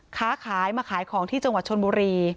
ค้าขายมาขายของที่จังหวัดชนบุรี